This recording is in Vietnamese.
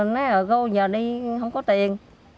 nói cô giờ đi không có tiền